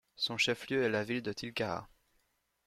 Son chef-lieu est la ville de Tilcara.